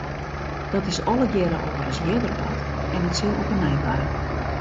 Dat is allegearre al ris earder bard en it sil op 'e nij barre.